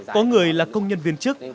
có người là công nhân viên chức